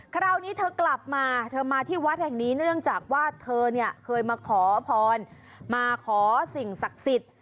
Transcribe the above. คราวนี้เธอกลับมาเธอมาที่วัดแห่งนี้เนื่องจากว่าเธอเนี่ยเคยมาขอพรมาขอสิ่งศักดิ์สิทธิ์